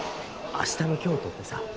明日の京都ってさ宿どこ？